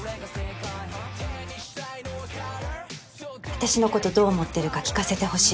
私のことどう思ってるか聞かせてほしい。